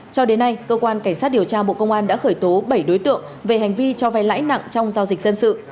cho đến nay cơ quan cảnh sát điều tra bộ công an đã khởi tố bảy đối tượng về hành vi cho vay lãi nặng trong giao dịch dân sự